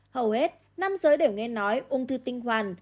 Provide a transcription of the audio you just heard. hầu hết nam giới đều nghe nói ung thư tinh hoàn